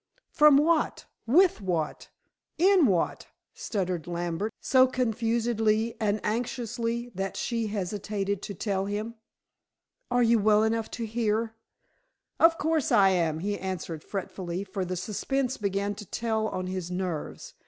"From what with what in what?" stuttered Lambert, so confusedly and anxiously that she hesitated to tell him. "Are you well enough to hear?" "Of course I am," he answered fretfully, for the suspense began to tell on his nerves.